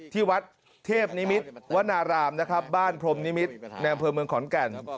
ที่วัดเทพนิมิตรวนารามนะครับบ้านพรมนิมิตรในอำเภอเมืองขอนแก่น